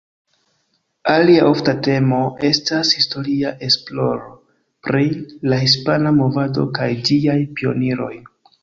Alia ofta temo estas historia esploro pri la hispana movado kaj ĝiaj pioniroj.